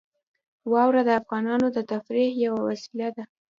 واوره د افغانانو د تفریح یوه وسیله ده.